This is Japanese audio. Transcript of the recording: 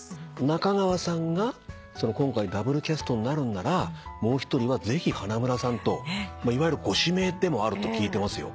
中川さんが今回ダブルキャストになるんならもう一人はぜひ花村さんといわゆるご指名でもあると聞いてますよ。